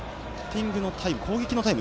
攻撃のタイム。